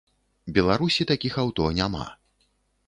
Беларусі такіх аўто няма.